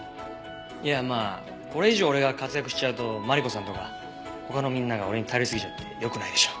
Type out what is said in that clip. いやまあこれ以上俺が活躍しちゃうとマリコさんとか他のみんなが俺に頼りすぎちゃってよくないでしょ。